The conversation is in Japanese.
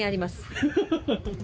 ハハハハ！